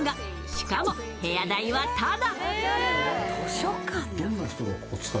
しかも、部屋代はタダ。